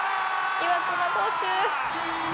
「岩隈投手！」